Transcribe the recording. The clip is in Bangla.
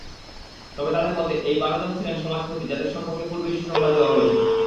তবে তাদের মতে, এই বারজন ছিলেন সমাজপতি যাদের সম্পর্কে পূর্বেই সুসংবাদ দেয়া হয়েছিল।